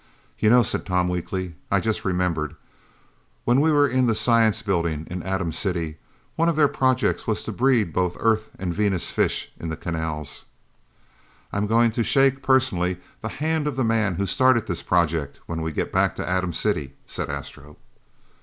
"You know," said Tom weakly, "I just remembered. When we were in the Science Building in Atom City, one of their projects was to breed both Earth and Venus fish in the canals." "I am going to shake, personally, the hand of the man who started this project when we get back to Atom City," said Astro.